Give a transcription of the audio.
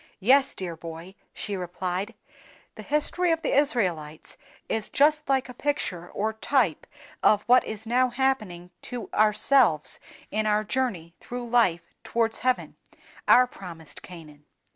"Yes, dear boy," she replied, "the history of the Israelites is just like a picture or type of what is now happening to ourselves in our journey through life towards heaven, our promised Canaan.